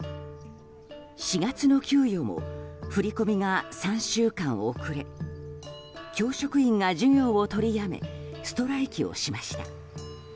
４月の給与も振り込みが３週間遅れ教職員が授業を取りやめストライキをしました。